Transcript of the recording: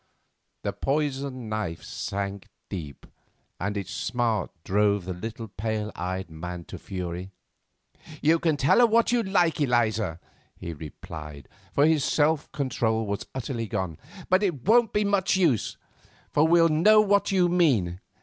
The poisoned knife sank deep, and its smart drove the little pale eyed man to fury. "You can tell her what you like, Eliza," he replied, for his self control was utterly gone; "but it won't be much use, for she'll know what you mean.